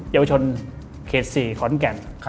เยาวชนเขต๔ขอนแก่น